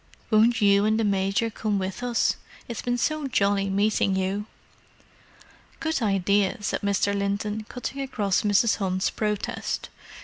"Won't you and the Major come with us? It's been so jolly meeting you." "Good idea!" said Mr. Linton, cutting across Mrs. Hunt's protest.